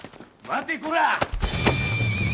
待てこらぁ！